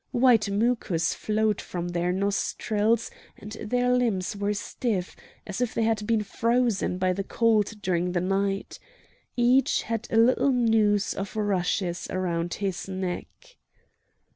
White mucus flowed from their nostrils, and their limbs were stiff, as if they had all been frozen by the cold during the night. Each had a little noose of rushes round his neck.